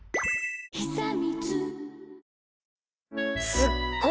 すっごい！